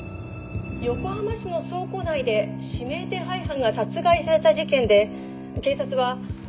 「横浜市の倉庫内で指名手配犯が殺害された事件で警察は重要参考人として